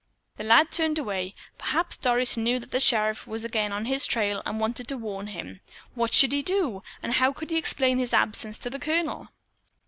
The lad turned away. Perhaps Doris knew that the sheriff was again on his trail and wanted to warn him. What should he do, and how could he explain his absence to the Colonel?